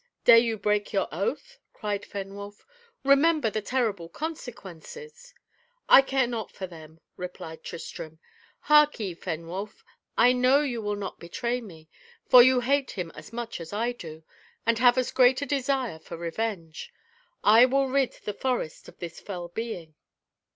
dare you break your oath?" cried Fenwolf. "Remember the terrible consequences." "I care not for them," replied Tristram. "Harkee, Fenwolf: I know you will not betray me, for you hate him as much as I do, and have as great a desire for revenge. I will rid the forest of this fell being."